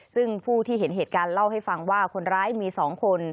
ซึ่งผู้ที่เห็นเหตุการณ์เล่าให้ฟังว่าคนร้ายมี๒คน